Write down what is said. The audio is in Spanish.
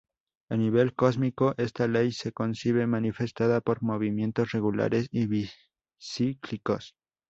A nivel cósmico esta ley se concibe manifestada por movimientos regulares y cíclicos.